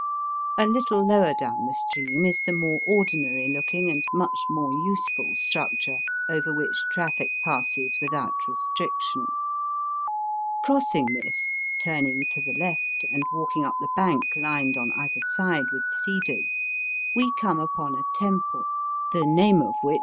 A little lower down the stream is the more ordinary looking and much more useful structure over which traffic passes without restriction. Crossing this, turning to the left and walking up the bank lined on either side with cedars, we come upon a temple, the name of which VOL. I.